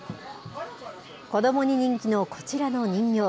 子どもに人気のこちらの人形。